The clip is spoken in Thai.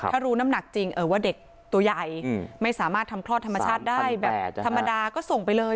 ถ้ารู้น้ำหนักจริงว่าเด็กตัวใหญ่ไม่สามารถทำคลอดธรรมชาติได้แบบธรรมดาก็ส่งไปเลย